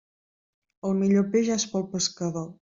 El millor peix és pel pescador.